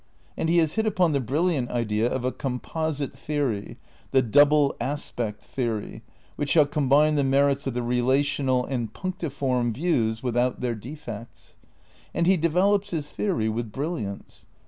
And he has hit upon the brilliant idea of a composite theory, the "Double Aspect" theory, which shall combine the merits of the relational and punctiform views without their defects. And he de velops his theory with brilliance.